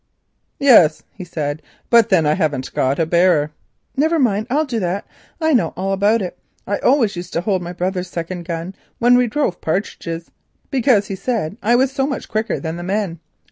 "Yes," he said, "but then I haven't got a loader." "Never mind. I'll do that, I know all about it. I often used to hold my brother's second gun when we drove partridges, because he said I was so much quicker than the men.